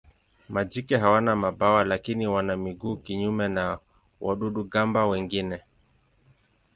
Majike hawana mabawa lakini wana miguu kinyume na wadudu-gamba wengine.